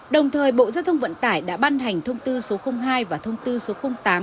đồng thời bộ giao thông vận tải đã ban hành thông tư số hai và thông tư số tám